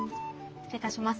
失礼いたします。